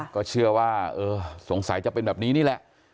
ก็เชื่อว่าเออสงสัยจะเป็นแบบนี้นี่แหละ